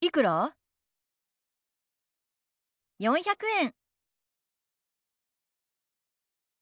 ４００円。